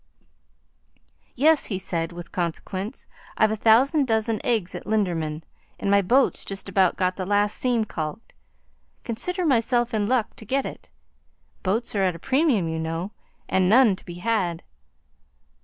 "Yes," he said with consequence. "I've a thousand dozen eggs at Linderman, and my boat's just about got the last seam caulked. Consider myself in luck to get it. Boats are at a premium, you know, and none to be had."